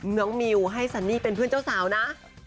น้องมิวให้ซันนี่เป็นเพื่อนเจ้าสาวนะ